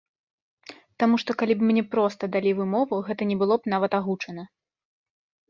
Таму што калі б мне проста далі вымову, гэта не было б нават агучана.